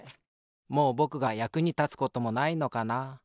もうぼくがやくにたつこともないのかな。